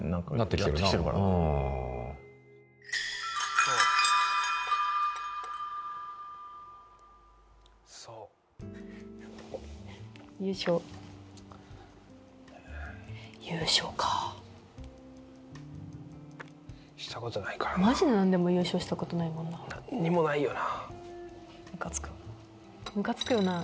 そうそう優勝かマジ何でも優勝したことないもんな何もないよな